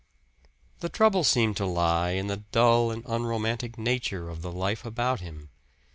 The trouble seemed to lie in the dull and unromantic nature of the life about him.